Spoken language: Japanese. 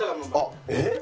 えっ！？